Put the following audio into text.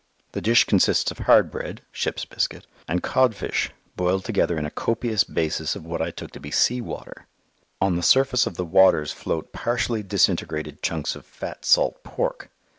The dish consists of hard bread (ship's biscuit) and codfish boiled together in a copious basis of what I took to be sea water. "On the surface of the waters" float partially disintegrated chunks of fat salt pork.